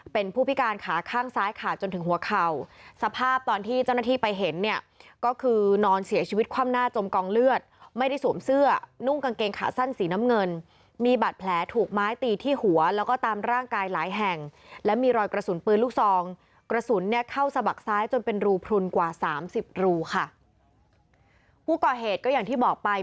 เป็นผู้พิการขาข้างซ้ายขาดจนถึงหัวเข่าสภาพตอนที่เจ้าหน้าที่ไปเห็นเนี่ยก็คือนอนเสียชีวิตคว่ำหน้าจมกองเลือดไม่ได้สวมเสื้อนุ่งกางเกงขาสั้นสีน้ำเงินมีบาดแผลถูกไม้ตีที่หัวแล้วก็ตามร่างกายหลายแห่งและมีรอยกระสุนปืนลูกซองกระสุนเนี่ยเข้าสะบักซ้ายจนเป็นรูพลุนกว่าสามสิบรูค่ะผู้ก่อเหตุก็อย่างที่บอกไป